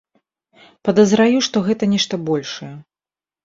Падазраю, што гэта нешта большае.